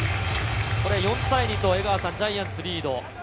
４対２とジャイアンツリード。